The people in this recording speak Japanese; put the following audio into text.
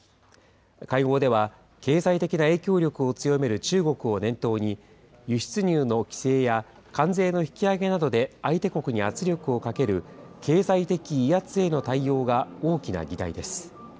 会合では、経済的な影響力を強める中国を念頭に、輸出入の規制や関税の引き上げなどで相手国に圧力をかける、経済的威圧への対応が大きな議題です。